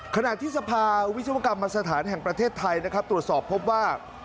ขณะที่สภาวิศวกรรมสถานแห่งประเทศไทยนะครับตรวจสอบพบว่า